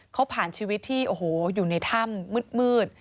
เขาผ่านชีวิตที่โอ้โหอยู่ในถ้ำมืด